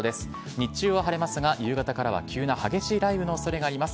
日中は晴れますが、夕方からは急な激しい雷雨のおそれがあります。